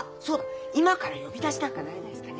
今から呼出なんかなれないですかね？